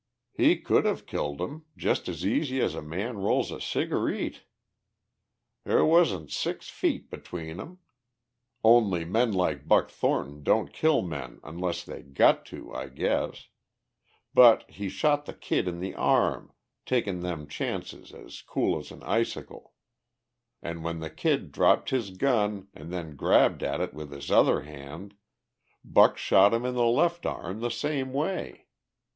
"He could have killed him just as easy as a man rolls a cigareet! There wasn't six feet between 'em. Only men like Buck Thornton don't kill men unless they got to, I guess. But he shot the Kid in the arm, takin' them chances as cool as an icicle; an' when the Kid dropped his gun an' then grabbed at it with his other hand, Buck shot him in the left arm the same way.